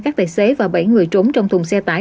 các tài xế và bảy người trốn trong thùng xe tải